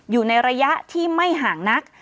อยู่ในระยะที่ไม่ห่างนัก